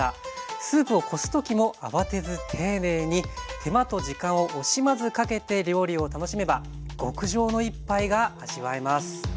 スープをこす時も慌てず丁寧に手間と時間を惜しまずかけて料理を楽しめば極上の一杯が味わえます。